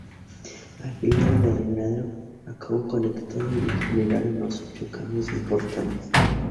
Al final, Berrendero acabó conectando y la general no sufrió cambios importantes.